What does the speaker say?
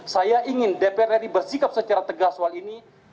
saya ingin dpr ri bersikap secara tegas soal ini